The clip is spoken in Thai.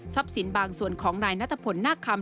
ทรัพย์สินบางส่วนของนายนัตตะผลหน้าคำ